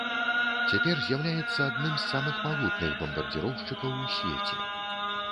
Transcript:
Цяпер з'яўляецца адным з самых магутных бамбардзіроўшчыкаў у свеце.